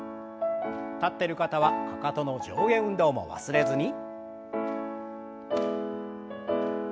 立ってる方はかかとの上下運動も忘れずに。